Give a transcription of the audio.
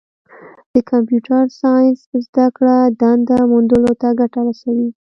د کمپیوټر ساینس زدهکړه دنده موندلو ته ګټه رسوي.